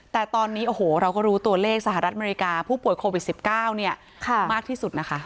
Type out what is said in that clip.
แต่ตอนนี้โอ้โหเราก็รู้ตัวเลขสหรัฐอเมริกาผู้ป่วยโควิด๑๙มากที่สุดนะคะ